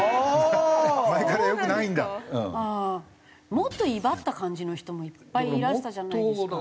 もっと威張った感じの人もいっぱいいらしたじゃないですか。